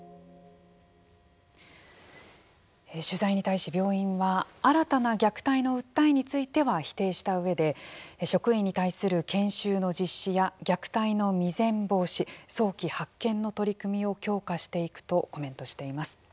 取材に対し病院は新たな虐待の訴えについては否定したうえで職員に対する研修の実施や虐待の未然防止早期発見の取り組みを強化していくとコメントしています。